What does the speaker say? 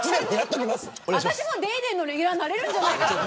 私もＤａｙＤａｙ．のレギュラーになれるんじゃないかな。